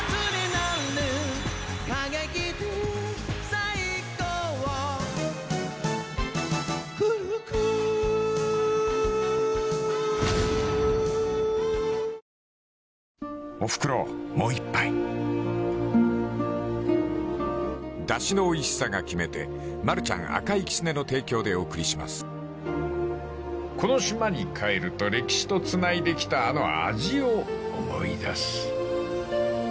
最高の渇きにＤＲＹ［この島に帰ると歴史とつないできたあの味を思い出す］